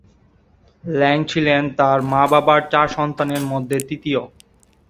ল্যাং ছিলেন তার মা-বাবার চার সন্তানের মধ্যে তৃতীয়।